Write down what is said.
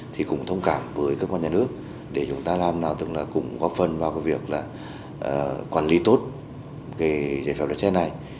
thì cũng thông cảm với cơ quan nhà nước để chúng ta làm nào tức là cũng góp phần vào cái việc là quản lý tốt cái giải pháp lái xe này